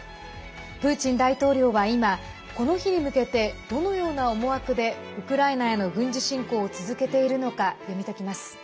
プーチン大統領は今この日に向けてどのような思惑でウクライナへの軍事侵攻を続けているのか、読み解きます。